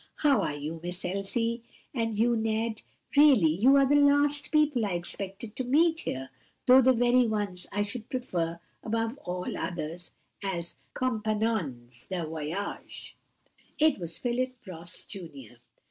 "How are you, Miss Elsie? and you, Ned? Really you are the last people I expected to meet here, though the very ones I should prefer above all others as compagnons de voyage." It was Philip Ross, Jr.